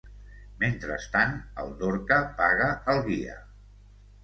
Mentrestant, el Dorca paga al guia.